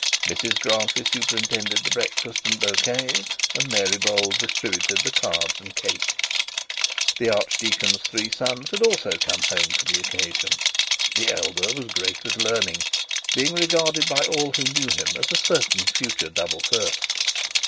Mrs Grantly superintended the breakfast and bouquets and Mary Bold distributed the cards and cake. The archdeacon's three sons had also come home for the occasion. The eldest was great with learning, being regarded by all who knew him as a certain future double first.